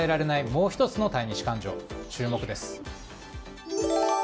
もう１つの対日感情注目です。